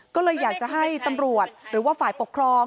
ก็เลยอยากจะให้ตำรวจหรือว่าฝ่ายปกครอง